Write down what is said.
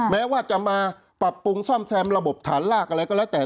แม้ว่าจะมาปรับปรุงซ่อมแซมระบบฐานลากอะไรก็แล้วแต่